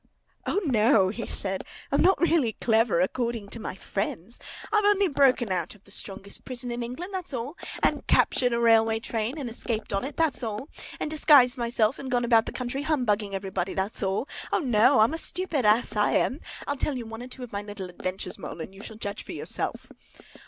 O, no!" he said. "I'm not really clever, according to my friends. I've only broken out of the strongest prison in England, that's all! And captured a railway train and escaped on it, that's all! And disguised myself and gone about the country humbugging everybody, that's all! O, no! I'm a stupid ass, I am! I'll tell you one or two of my little adventures, Mole, and you shall judge for yourself!"